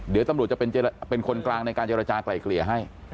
เดี๋ยวตำรวจจะเป็นคนกลางในการเจรจากลายเกลี่ยให้